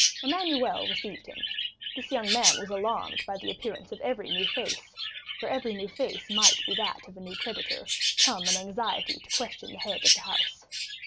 Emmanuel received him; this young man was alarmed by the appearance of every new face, for every new face might be that of a new creditor, come in anxiety to question the head of the house.